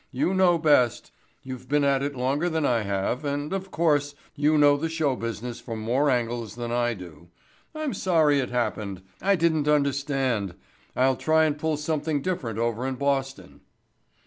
"You know best. You've been at it longer than I have, and, of course, you know the show business from more angles than I do. I'm sorry it happened. I didn't understand. I'll try and pull something different over in Boston."